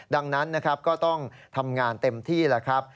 ดังนั้นก็ต้องทำงานเต็มที่ล่ะครับ